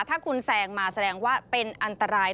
ถ้าคุณแซงมาแสดงว่าเป็นอันตราย